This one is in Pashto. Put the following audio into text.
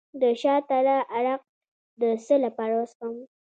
د شاه تره عرق د څه لپاره وڅښم؟